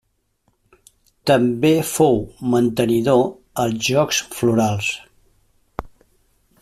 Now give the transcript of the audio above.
També fou mantenidor als Jocs Florals.